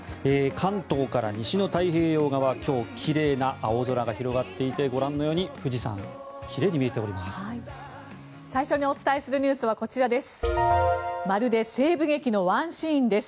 関東から西の太平洋側は今日、奇麗な青空が広がっていてご覧のように富士山、奇麗に見えております。